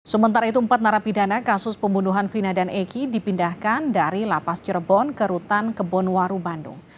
sementara itu empat narapidana kasus pembunuhan vina dan egy dipindahkan dari lapas cirebon ke rutan kebonwaru bandung